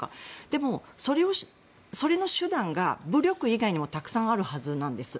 でも、それの手段が武力以外にもたくさんあるはずなんです。